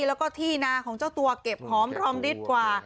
แล้วก็ที่นาของเจ้าตัวเก็บหอมรอมริดกว่า